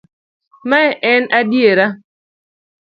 Mae en adiera.